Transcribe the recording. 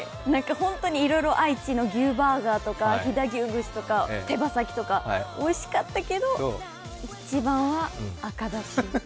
いろいろ愛知の牛バーガーとか飛騨牛串とか手羽先とかおいしかったけど、一番は赤だし。